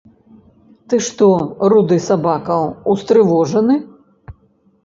Ты што, руды сабака, устрывожаны?